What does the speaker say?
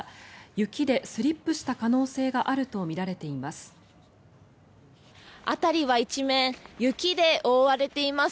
雪でスリップした可能性があるとみられています。